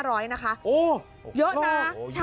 โอ้โหเยอะนะใช่